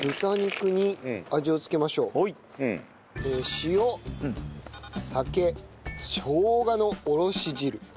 塩酒生姜のおろし汁。